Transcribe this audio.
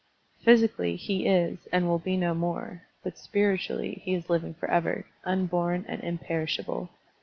Physically, he is, and will be no more, but spiritually he is living forever, unborn and imperishable.